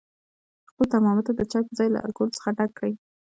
خپل ترمامتر د چای په ځای له الکولو څخه ډک کړئ.